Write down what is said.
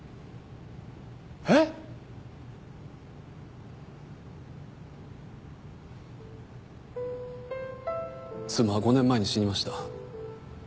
えっ⁉妻は５年前に死にました。